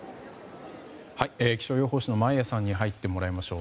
気象予報士の眞家さんに入ってもらいましょう。